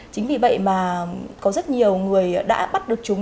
chính vì vậy mà có rất nhiều người đã bắt được chúng